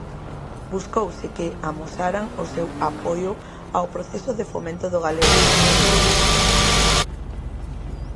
Buscouse que amosaran o seu apoio ao proceso de fomento do galego poñéndolle cara.